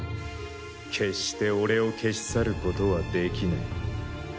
決して俺を消し去ることはできない。